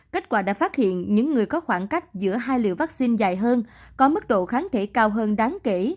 kết quả đã phát hiện những người có khoảng cách giữa hai liều vaccine dài hơn có mức độ kháng thể cao hơn đáng kể